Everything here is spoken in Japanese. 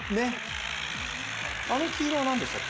あの黄色は何でしたっけ？